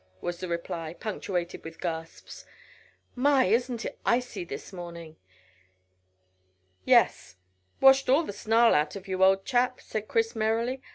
was the reply, punctuated with gasps. "My! Isn't it icy this morning!" "Yes. Washed all the snarl out of you, old chap," cried Chris merrily.